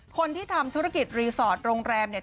คนที่ทำธุรกิจรีสอร์ทโรงแรมเนี่ย